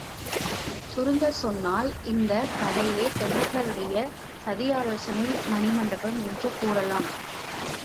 சுருங்கச்சொன்னால், இந்தக் கடையே தொண்டர்களுடைய சதியாலோசனை மணிமண்டபம் என்று கூறலாம்.